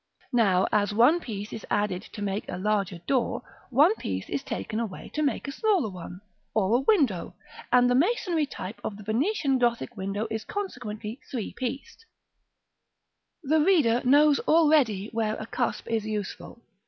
Now, as one piece is added to make a larger door, one piece is taken away to make a smaller one, or a window, and the masonry type of the Venetian Gothic window is consequently three pieced, c2. § XVI. The reader knows already where a cusp is useful.